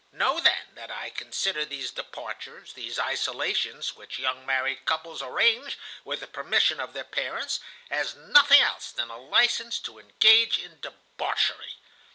Know, then, that I consider these departures, these isolations, which young married couples arrange with the permission of their parents, as nothing else than a license to engage in debauchery.